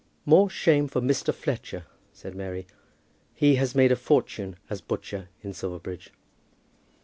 "More shame for Mr. Fletcher," said Mary. "He has made a fortune as butcher in Silverbridge."